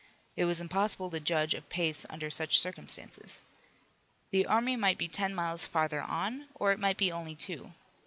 It was impossible to judge of pace under such circumstances. The army might be ten miles further on or it might be only two.